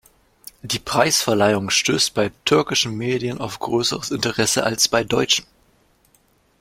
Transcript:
Die Preisverleihung stößt bei türkischen Medien auf größeres Interesse als bei deutschen.